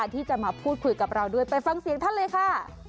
ที่จะมาพูดคุยกับเราด้วยไปฟังเสียงท่านเลยค่ะ